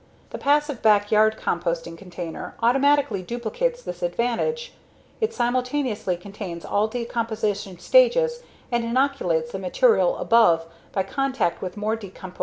The passive backyard composting container automatically duplicates this advantage. It simultaneously contains all decomposition stages and inoculates the material above by contact with more decomposed material below.